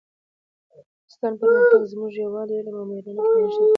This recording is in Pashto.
د افغانستان پرمختګ زموږ په یووالي، علم او مېړانه کې نغښتی دی.